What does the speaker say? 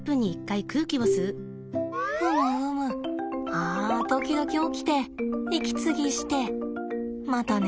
ふむふむあ時々起きて息継ぎしてまた寝るとな。